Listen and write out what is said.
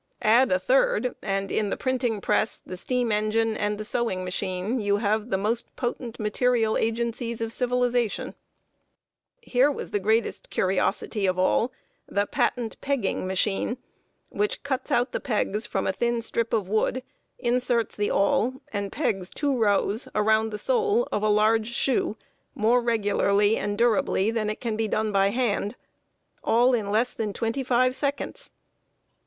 Add a third, and in the printing press, the steam engine, and the sewing machine, you have the most potent material agencies of civilization. [Sidenote: WHERE ITS FACILITIES CAME FROM.] Here was the greatest curiosity of all the patent pegging machine, which cuts out the pegs from a thin strip of wood, inserts the awl, and pegs two rows around the sole of a large shoe, more regularly and durably than it can be done by hand all in less than twenty five seconds.